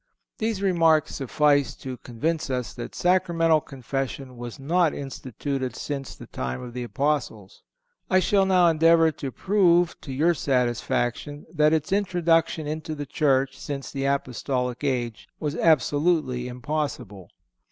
These remarks suffice to convince us that Sacramental Confession was not instituted since the time of the Apostles. I shall now endeavor to prove to your satisfaction that its introduction into the Church, since the Apostolic age, was absolutely impossible.